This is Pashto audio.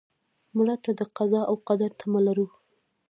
مړه ته د قضا او قدر تمه لرو